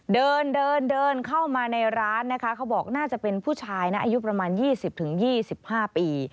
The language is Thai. เดินเดินเข้ามาในร้านนะคะเขาบอกน่าจะเป็นผู้ชายนะอายุประมาณ๒๐๒๕ปี